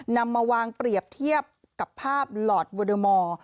นำมาวางเปรียบเทียบกับภาพลอร์ดวัลเดมอร์